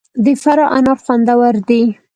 د فراه انار خوندور دي